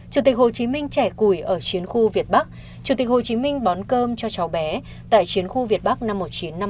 chủ tịch hồ chí minh trẻ củi ở chiến khu việt bắc chủ tịch hồ chí minh bón cơm cho cháu bé tại chiến khu việt bắc năm một nghìn chín trăm năm mươi bốn